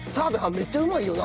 めっちゃうまいよな。